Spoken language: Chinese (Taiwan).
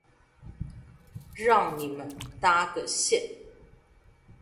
讓你們搭個線